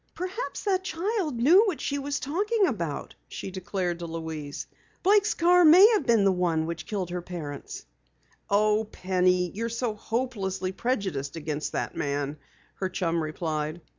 "Perhaps that child knew what she was talking about!" she declared to Louise. "Blake's car may have been the one which killed her parents!" "Oh, Penny, you're so hopelessly prejudiced against the man," her chum replied.